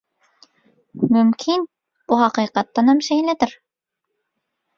Mümkin bu hakykatdanam şeýledir.